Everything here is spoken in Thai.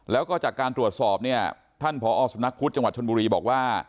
แล้วก็จากการตรวจสอบท่านพอสุทธิ์นักพุทธศาสน์จังหวัดชนบูรีบอกว่า